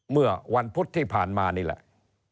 เมื่อวันพุธที่ผ่านมานี่แหละ